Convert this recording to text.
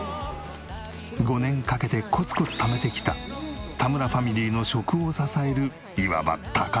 ５年かけてコツコツためてきた田村ファミリーの食を支えるいわば宝物。